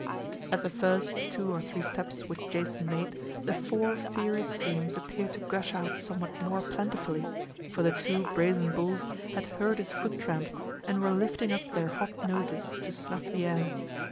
At the first two or three steps which Jason made the four fiery streams appeared to gush out somewhat more plentifully, for the two brazen bulls had heard his foot tramp and were lifting up their hot noses to snuff the air.